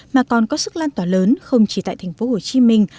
mà còn có sức lan tỏa lớn không chỉ tại thành phố hồ chí minh